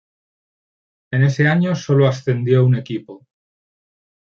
En ese año, sólo ascendió un equipo.